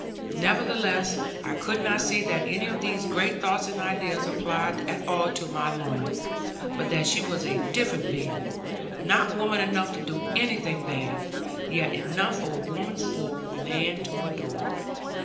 Nevertheless I could not see that any of these great thoughts and ideas applied at all to my Lorna; but that she was a different being; not woman enough to do anything bad, yet enough of a woman for man to adore.